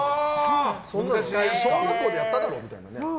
小学校でやっただろみたいなね。